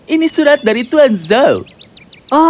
ini surat dari tuan zhao